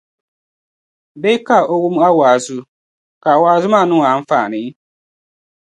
Bee ka o wum a wa’azu, ka wa’azu maa niŋ o anfaani?